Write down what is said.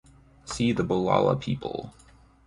See the Bulala people.